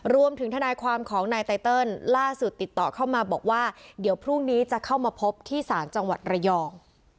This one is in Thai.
ทนายความของนายไตเติลล่าสุดติดต่อเข้ามาบอกว่าเดี๋ยวพรุ่งนี้จะเข้ามาพบที่ศาลจังหวัดระยอง